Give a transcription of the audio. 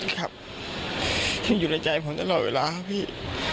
ครับที่อยู่ในใจผมตลอดเวลาครับพี่